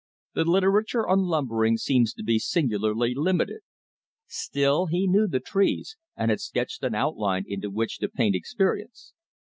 The literature on lumbering seems to be singularly limited. Still he knew the trees, and had sketched an outline into which to paint experience.